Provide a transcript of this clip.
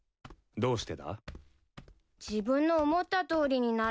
どうして？